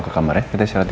sekarang kita mau nasi